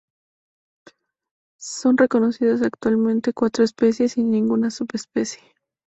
Son reconocidas actualmente cuatro especies y ninguna subespecie.